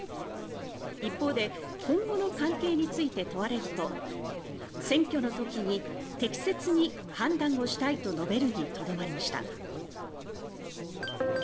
一方で今後の関係について問われると「選挙のときに適切に判断をしたい」と述べるにとどめました。